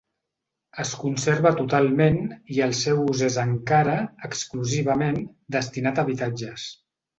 Es conserva totalment i el seu ús és encara, exclusivament, destinat a habitatges.